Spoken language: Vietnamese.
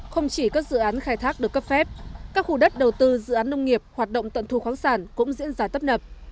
không chỉ các dự án khai thác được cấp phép các khu đất đầu tư dự án nông nghiệp hoạt động tận thu khoáng sản cũng diễn ra tấp nập